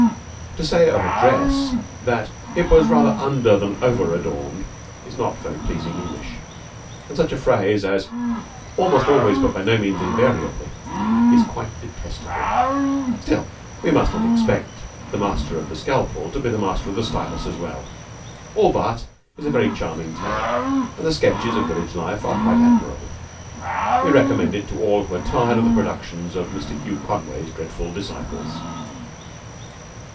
To say of a dress that 'it was rather under than over adorned' is not very pleasing English, and such a phrase as 'almost always, but by no means invariably,' is quite detestable. Still we must not expect the master of the scalpel to be the master of the stilus as well. All But is a very charming tale, and the sketches of village life are quite admirable. We recommend it to all who are tired of the productions of Mr. Hugh Conway's dreadful disciples.